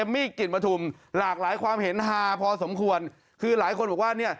มีที่